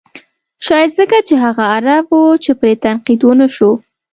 شاید ځکه چې هغه عرب و چې پرې تنقید و نه شو.